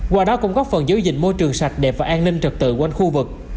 qua đó cũng góp phần giới dịch môi trường sạch đẹp và an ninh trật tự quanh khu vực